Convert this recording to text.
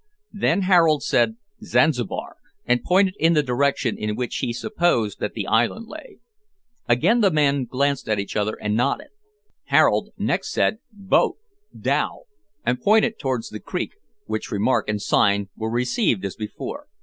Then Harold said "Zanzibar," and pointed in the direction in which he supposed that island lay. Again the men glanced at each other, and nodded. Harold next said "Boat dhow," and pointed towards the creek, which remark and sign were received as before.